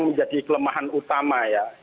menjadi kelemahan utama ya